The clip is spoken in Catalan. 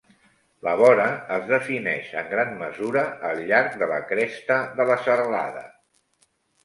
La vora es defineix en gran mesura al llarg de la cresta de la serralada.